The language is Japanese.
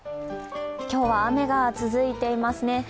今日は雨が続いていますね。